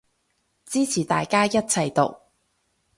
支持大家一齊毒